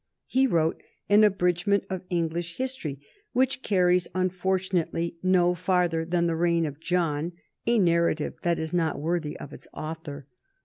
He wrote an "Abridgment of English History," which carries unfortunately no farther than the reign of John a narrative that is not unworthy of its author.